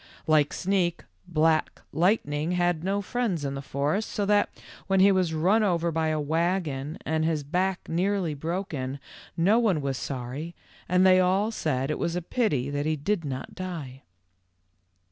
Like Sneak, Black Lightning had no friends in the forest, so that when he was run over by a w T agon and his back nearly broken, no one was sorry and they all said it was a pity that he did not die.